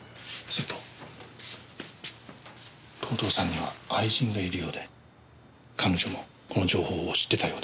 それと藤堂さんには愛人がいるようで彼女もこの情報も知ってたようです。